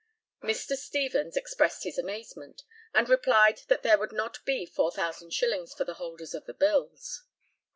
Mr. Stevens expressed his amazement, and replied that there would not be 4,000 shillings for the holders of the bills.